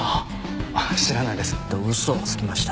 知らないです。と嘘をつきました。